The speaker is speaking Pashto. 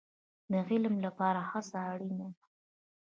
د علم لپاره هڅه اړین ده